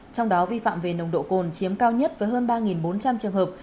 trong đó vi phạm về nồng độ cồn chiếm cao nhất với hơn ba bốn trăm linh trường hợp